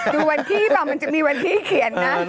ดูวันที่ต่อมันจะมีวันที่เขียนนะ